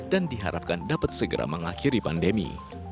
dan diharapkan dapat segera mengakhiri pandemi